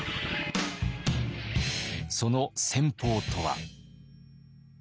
その戦法とは。